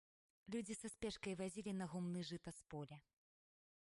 Людзі са спешкай вазілі на гумны жыта з поля.